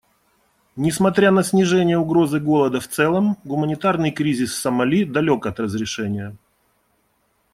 Несмотря на снижение угрозы голода в целом, гуманитарный кризис в Сомали далек от разрешения.